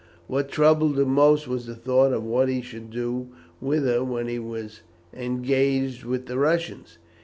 What troubled him most was the thought of what he should do with her when he was engaged with the Russians.